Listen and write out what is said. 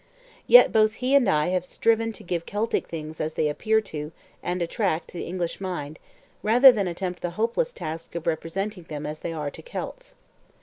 Yet both he and I have striven to give Celtic things as they appear to, and attract, the English mind, rather than attempt the hopeless task of representing them as they are to Celts.